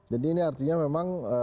jadi ini artinya memang